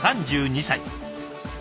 ３２歳。